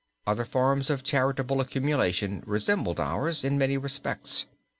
Other forms of charitable accumulation resembled ours in many respects.